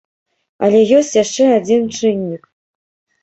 Але ёсць яшчэ адзін чыннік.